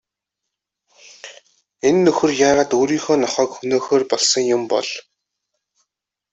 Энэ нөхөр яагаад өөрийнхөө нохойг хөнөөхөөр болсон юм бол?